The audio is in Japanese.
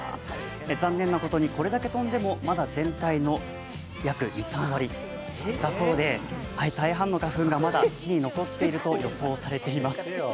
残念なことにこれだけ飛んでもまだ全体の約２３割だそうで、大半の花粉がまだ木に残っていると予想されています。